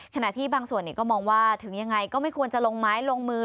ขณะที่บางส่วนก็มองว่าถึงยังไงก็ไม่ควรจะลงไม้ลงมือ